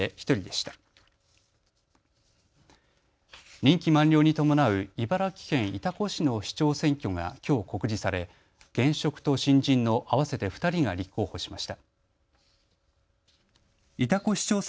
任期満了に伴う茨城県潮来市の市長選挙がきょう告示され現職と新人の合わせて２人が立候補しました。